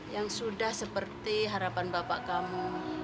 yang sudah seperti harapan bapak kamu